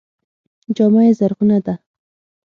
جامه یې زرغونه ده.